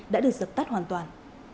đã được giật tắt hoàn toàn